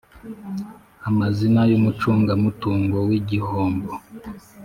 amazina y umucungamutungo w igihombo